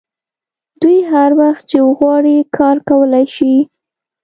دوی هر وخت چې وغواړي کار کولی شي